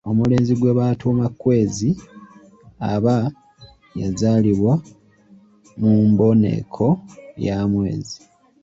Omulenzi gwe batuuma Kwezi aba yazaalibwa mu mboneko ya mwezi.